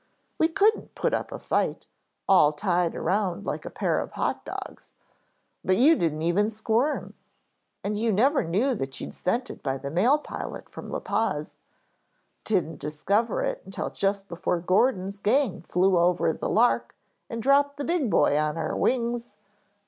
We couldn't put up a fight, all tied around like a pair of hot dogs, but you didn't even squirm. And you never knew that you'd sent it by the mail pilot from La Paz " "Didn't discover it until just before Gordon's gang flew over the 'Lark' and dropped the big boy on our wings.